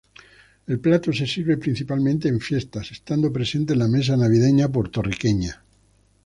El plato se sirve principalmente en fiestas, estando presente en la mesa navideña puertorriqueña.